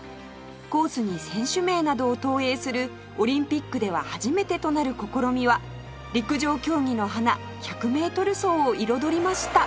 コースに選手名などを投影するオリンピックでは初めてとなる試みは陸上競技の華１００メートル走を彩りました